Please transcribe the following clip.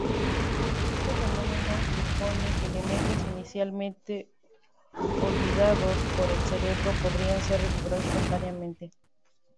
Este fenómeno supone que elementos inicialmente olvidados por el cerebro podrían ser recuperados espontáneamente.